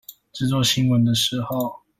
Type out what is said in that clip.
製作新聞的時候